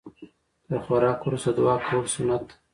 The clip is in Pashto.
تر خوراک وروسته دعا کول سنت ده